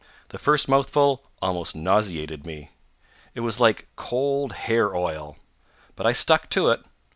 The first mouthful almost nauseated me. It was like cold hair oil. But I stuck to it.